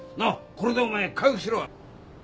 これでお前回復しろ！